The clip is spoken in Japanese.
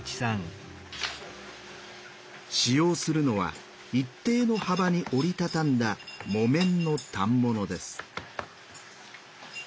使用するのは一定の幅に折り畳んだ木綿の反物です。